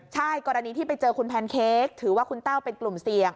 ใช่กรณีที่ไปเจอคุณแพนเค้กถือว่าคุณแต้วเป็นกลุ่มเสี่ยง